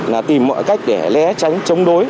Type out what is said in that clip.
là tìm mọi cách để lé tránh chống đối